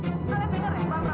bapak bapak mau